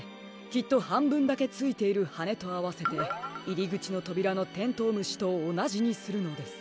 きっとはんぶんだけついているはねとあわせていりぐちのとびらのテントウムシとおなじにするのです。